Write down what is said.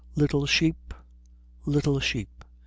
"Little sheep ... little sheep